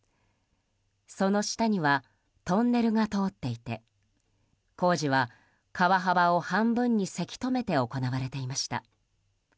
その下にはトンネルが通っていて工事は、川幅を半分にせき止めて行われていました。